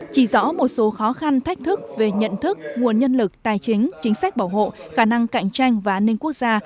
chỉ rõ một số khó khăn thách thức về nhận thức nguồn nhân lực tài chính chính sách bảo hộ khả năng cạnh tranh và an ninh quốc gia